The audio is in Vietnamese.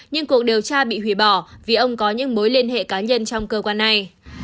nhưng cuộc điều tra bị hủy bỏ vì ông có những mối liên hệ cá nhân trong cơ quan này